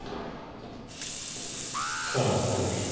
深野拓実